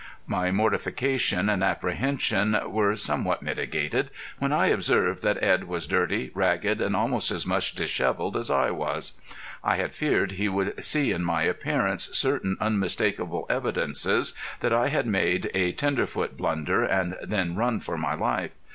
My mortification and apprehension were somewhat mitigated when I observed that Edd was dirty, ragged, and almost as much disheveled as I was. I had feared he would see in my appearance certain unmistakable evidences that I had made a tenderfoot blunder and then run for my life.